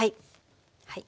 はい。